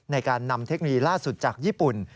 ในการนำเทคโนโลยีล่าสุดจากญี่ปุ่น